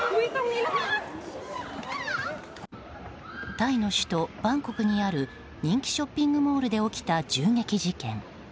タイの首都バンコクにある人気ショッピングモールで起きた銃撃事件。